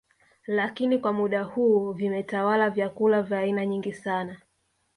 Lakini kwa muda huu vimetawala vyakula vya aina nyingi sana